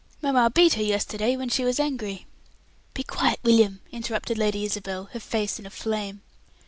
Mamma beat her yesterday when she was angry." "Be quiet, William!" interrupted Lady Isabel, her face in a flame.